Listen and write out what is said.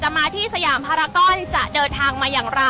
เชื่อหรือเกินค่ะคุณผู้ชมว่าข้ามคืนนี้นะคะแสงเพียรนับพันนับร้อยเล่มนะคะ